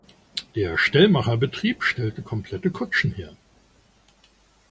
Der Stellmacherbetrieb stellte komplette Kutschen her.